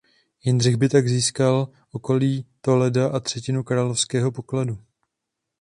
Jindřich by tak získal okolí Toleda a třetinu královského pokladu.